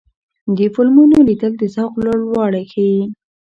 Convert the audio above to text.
د فلمونو لیدل د ذوق لوړوالی ښيي.